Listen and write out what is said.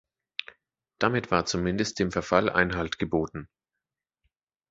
Damit war zumindest dem Verfall Einhalt geboten.